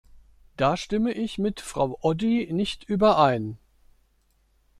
Da stimme ich mit Frau Oddy nicht überein.